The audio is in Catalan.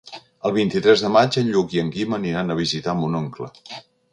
El vint-i-tres de maig en Lluc i en Guim aniran a visitar mon oncle.